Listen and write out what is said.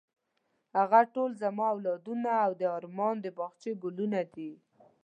هغه ټول زما اولادونه او د ارمان د باغچې ګلونه دي.